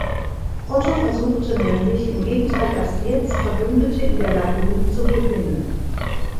Otto versuchte nämlich im Gegenteil erst jetzt Verbündete in der Lagune zu gewinnen.